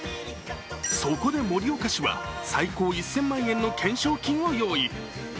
そこで盛岡市は最高１０００万円の懸賞金を用意。